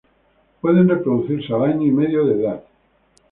Pueden reproducirse al año y medio de edad.